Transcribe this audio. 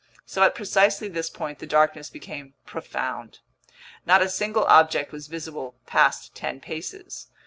So at precisely this point the darkness became profound. Not a single object was visible past ten paces.